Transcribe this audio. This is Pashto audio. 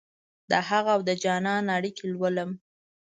دهغه اودجانان اړیکې لولم